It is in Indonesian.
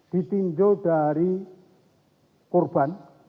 ditinjau dari kurban